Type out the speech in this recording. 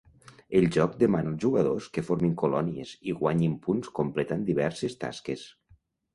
El joc demana als jugadors que formin colònies i guanyin punts completant diverses tasques.